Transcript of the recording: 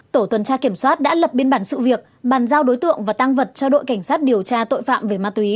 tổ tuần tra kiểm soát đã lập biên bản sự việc bàn giao đối tượng và tăng vật cho đội cảnh sát điều tra tội phạm về ma túy